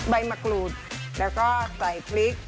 ใบมะกรูดแล้วก็ไก่พริก